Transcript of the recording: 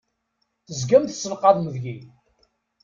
Tezgam tessenqadem deg-i!